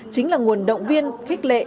chính là nguồn động viên khích lệ